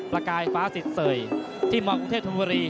ประกายฟ้าสิดส่วยที่หมอกรุงเทพธรรมบรี